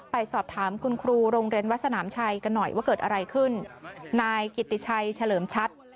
ไปสอบถามคุณครูโรงเรียนวัดสนามชัยกันหน่อยว่าเกิดอะไรขึ้นนายกิติชัยเฉลิมชัด